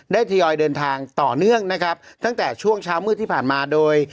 ทยอยเดินทางต่อเนื่องนะครับตั้งแต่ช่วงเช้ามืดที่ผ่านมาโดย